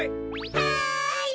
はい！